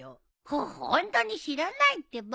ホッホントに知らないってば。